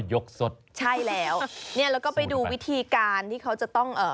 ยกสดใช่แล้วเนี่ยแล้วก็ไปดูวิธีการที่เขาจะต้องเอ่อ